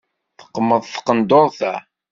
Teqmeḍ tqenduṛt-a.